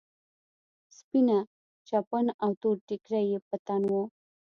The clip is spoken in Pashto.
سپينه چپن او تور ټيکری يې په تن و.